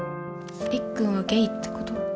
りっくんはゲイってこと？